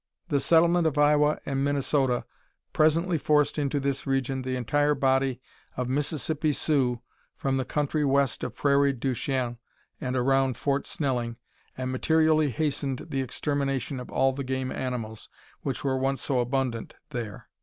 The settlement of Iowa and Minnesota presently forced into this region the entire body of Mississippi Sioux from the country west of Prairie du Chien and around Fort Snelling, and materially hastened the extermination of all the game animals which were once so abundant there.